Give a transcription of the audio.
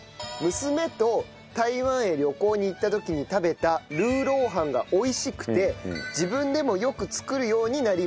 娘と台湾へ旅行に行った時に食べたルーロー飯が美味しくて自分でもよく作るようになりました。